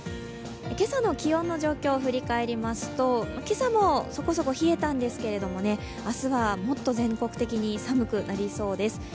今朝の気温の状況を振り返りますと、今朝もそこそこ冷えたんですけれども、明日は、もっと全国的に寒くなりそうです。